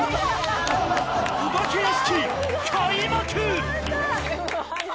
「お化け屋敷開幕！」